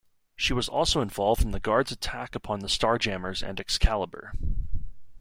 She was also involved in the Guard's attack upon the Starjammers and Excalibur.